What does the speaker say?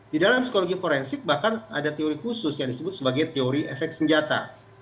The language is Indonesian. di dalam psikologi forensik bahkan ada teori khusus yang disebut sebagai teori efek senjata